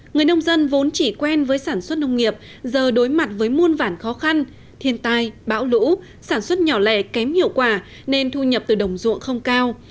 người nông dân vốn chỉ quen với sản xuất nông nghiệp giờ đối mặt với muôn vản khó khăn thiên tai bão lũ sản xuất nhỏ lẻ kém hiệu quả nên thu nhập từ đồng ruộng không cao